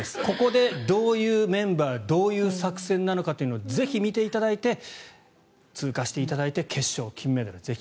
ここでどういうメンバーどういう作戦なのかというのをぜひ見ていただいて通過していただいて決勝、金メダル